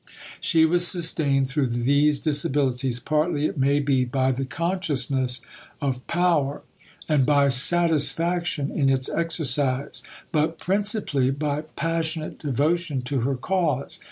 She was sustained through these disabilities partly, it may be, by the consciousness of power and by satisfaction in its exercise, but principally by passionate devotion to her cause.